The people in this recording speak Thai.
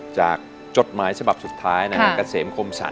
จากจทมายสบับสุดท้ายกะเสมคมสั่น